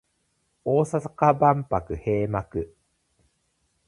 大阪万博閉幕